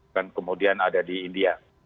dan kemudian ada di india